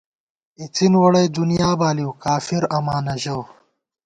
اِڅِن ووڑئی دنیا بالِیؤ، کافراماں نہ ژَؤ